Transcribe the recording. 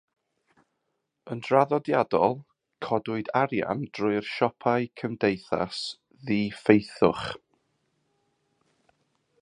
Yn draddodiadol, codwyd arian drwy'r Siopau Cymdeithas Ddiffeithwch.